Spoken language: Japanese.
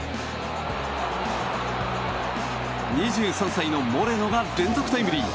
２３歳のモレノが連続タイムリー！